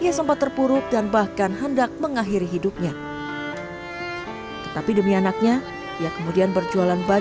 dan memang benar rejeki yang berkah itu akan membawa kita ke jalan kesuksesan